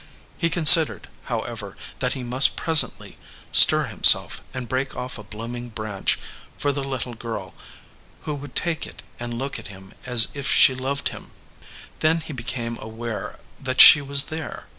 He considered, however, that he must presently stir himself and break off a blooming 1 branch for the little girl, who would take it and look at him as if she loved him. Then he became aware that she was there.